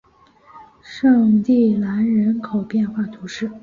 圣蒂兰人口变化图示